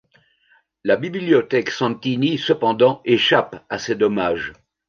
La bibliothèque Santini cependant échappe à ces dommages.